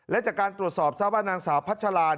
และจากการตรวจสอบทราบว่านางสาวพัชรา